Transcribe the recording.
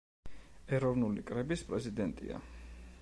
ეროვნული კრების პრეზიდენტია.